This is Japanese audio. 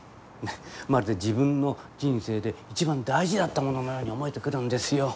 まるで自分の人生で一番大事だったもののように思えてくるんですよ。